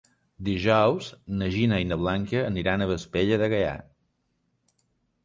Dijous na Gina i na Blanca aniran a Vespella de Gaià.